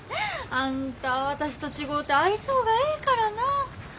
あんた私と違うて愛想がええからなあ。